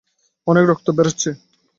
অনেক রক্ত বেরাচ্ছে।